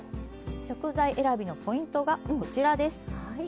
食材選びのポイントがこちらです。